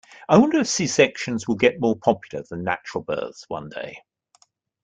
I wonder if C-sections will get more popular than natural births one day.